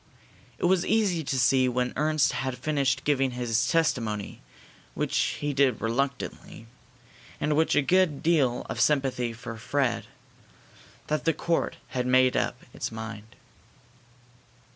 It was easy to see when Ernst had finished giving his testimony, which he did reluctantly, and with a good deal of sympathy for Fred, that the court had made up its mind.